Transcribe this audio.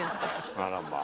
あらまあ。